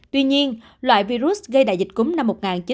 tuy nhiên loại virus gây đại dịch cúm năm một nghìn chín trăm chín mươi